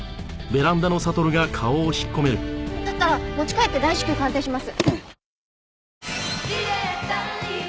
だったら持ち帰って大至急鑑定します。